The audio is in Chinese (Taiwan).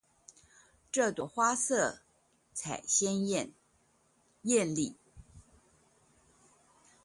這朵花色彩豔麗